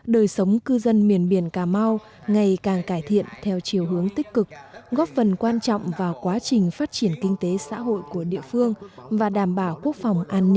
đời sống cư dân miền biển cà mau ngày càng cải thiện theo chiều hướng tích cực góp phần quan trọng vào quá trình phát triển kinh tế xã hội của địa phương và đảm bảo quốc phòng an ninh